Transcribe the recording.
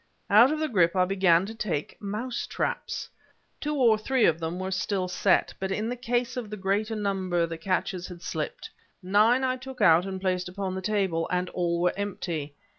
Out from the grip I began to take mouse traps! Two or three of them were still set but in the case of the greater number the catches had slipped. Nine I took out and placed upon the table, and all were empty.